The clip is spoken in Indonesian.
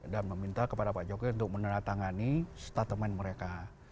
dan meminta kepada pak jokowi untuk meneratangani statement mereka